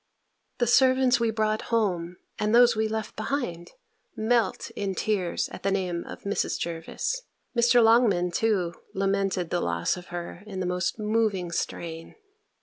The servants we brought home, and those we left behind, melt in tears at the name of Mrs. Jervis. Mr. Longman, too, lamented the loss of her, in the most moving strain.